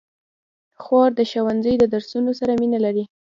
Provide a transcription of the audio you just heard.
خور د ښوونځي د درسونو سره مینه لري.